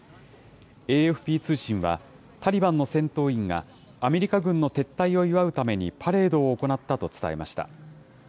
ＡＦＰ通信は、タリバンの戦闘員が、アメリカ軍の撤退を祝うためにパレードを行ったと伝えました。